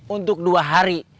untuk dua hari